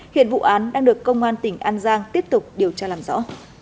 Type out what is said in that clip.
hiện vụ án đang được công an tỉnh an giang tiếp tục điều tra làm rõ